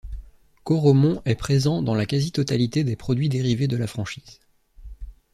Koromon est présent dans la quasi-totalité des produits dérivés de la franchise.